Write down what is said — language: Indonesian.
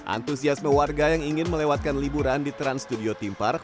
antusiasme warga yang ingin melewatkan liburan di trans studio theme park